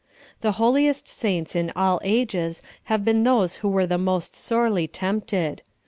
The holiest saints in all ages have been those who were the most sorely tempted.